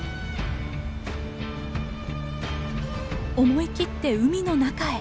思い切って海の中へ。